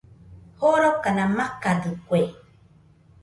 Jorokana makadɨkue